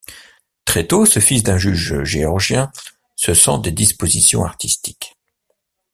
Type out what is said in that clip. Très tôt, ce fils d’un juge géorgien se sent des dispositions artistiques.